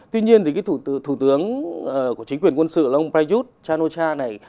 tuy nhiên thì cái thủ tướng của chính quyền quân sự là ông prayuth chan o cha này